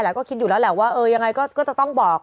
แล้วก็คิดอยู่แล้วแหละว่าเออยังไงก็จะต้องบอก